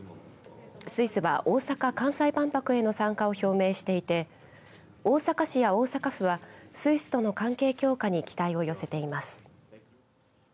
スイスは、大阪・関西万博への参加を表明していて大阪市や大阪府はスイスとの関係強化に期待を寄せています。